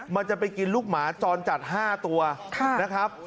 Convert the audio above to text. มันจะไปกินลูกหมาจรจัด๕ตัวนะครับ